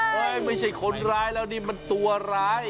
ไม่ใช่คนร้ายแล้วนี่มันตัวร้าย